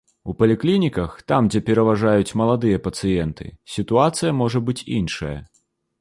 У паліклініках, там, дзе пераважаюць маладыя пацыенты, сітуацыя можа быць іншая.